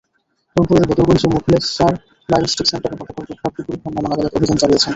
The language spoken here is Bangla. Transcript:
রংপুরের বদরগঞ্জের মোখলেছার ডায়াগনস্টিক সেন্টারে গতকাল রোববার দুপুরে ভ্রাম্যমাণ আদালত অভিযান চালিয়েছেন।